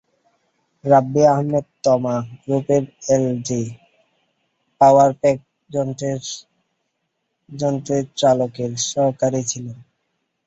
রাব্বি আহমেদ তমা গ্রুপের LG power pack যন্ত্রের চালকের সহকারী ছিলেন।